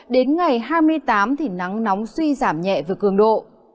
đến ngày hai mươi tám thì nắng nóng suy giảm nhẹ về cường độ